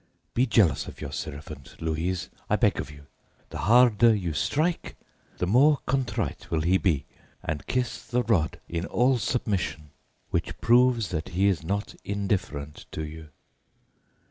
Be jealous of your servant, Louise, I beg of you; the harder you strike, the more contrite will he be and kiss the rod, in all submission, which proves that he is not indifferent to you.